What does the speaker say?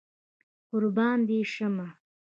قربان دي شمه